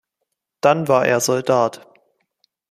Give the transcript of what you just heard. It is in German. Dann war er Soldat.